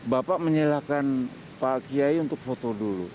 bapak menyilakan pak kiai untuk foto dulu